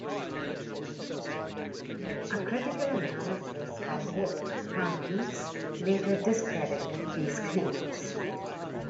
A critical analysis by Wulff Heintz later discredited these claims.